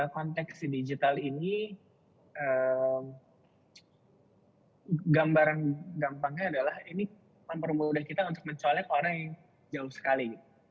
konteks digital ini gambaran gampangnya adalah ini mempermudah kita untuk mencolek orang yang jauh sekali